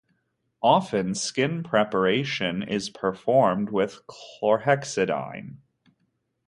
Often, skin preparation is performed with chlorhexidine.